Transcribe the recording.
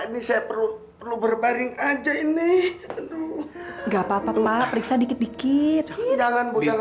ini saya perlu perlu berbaring aja ini enggak papa papa periksa dikit dikit jangan jangan